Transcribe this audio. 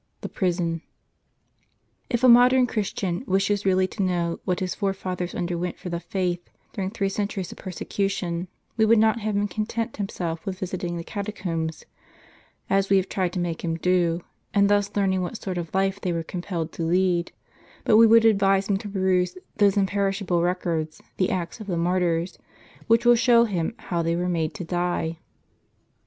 THE PRISON. 'F a modern Christian wishes really to know what his forefathers underwent for the faith, during three centuries of persecution, we would not have him content himself with visiting the catacombs, as we have tried to make him do, and thus learning what sort of life they were compelled to lead ; but we would advise him to peruse those imperishable records, the Acts of the Martyrs, which will show him how they were made to die.